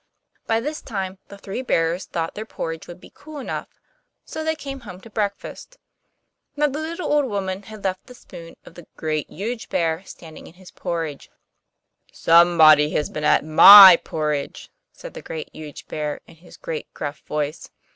By this time the three bears thought their porridge would be cool enough; so they came home to breakfast. Now the little old woman had left the spoon of the Great, Huge Bear, standing in his porridge. 'SOMEBODY HAS BEEN AT MY PORRIDGE!' said the Great, Huge Bear, in his great gruff voice.